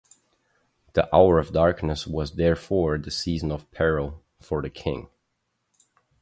The hour of darkness was therefore the season of peril for the king.